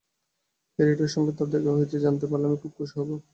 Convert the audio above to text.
হ্যারিয়েটের সঙ্গে তাঁর দেখা হয়েছে জানতে পারলে আমি খুব খুশী হব।